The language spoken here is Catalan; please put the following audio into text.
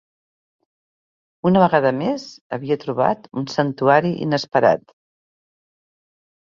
Una vegada més havia trobat un santuari inesperat.